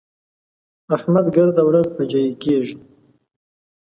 احمد ګرده ورځ اجايي کېږي.